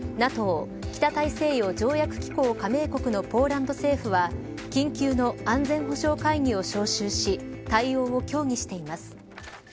北大西洋条約機構加盟国のポーランド政府は緊急の安全保障会議を招集し対応を協議しています。